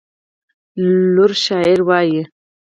لور شاعري وايي.